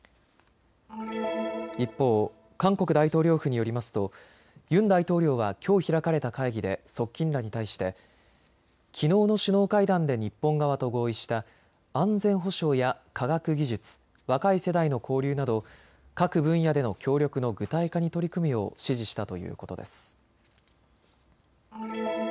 一方、韓国大統領府によりますとユン大統領はきょう開かれた会議で側近らに対してきのうの首脳会談で日本側と合意した安全保障や科学技術、若い世代の交流など各分野での協力の具体化に取り組むよう指示したということです。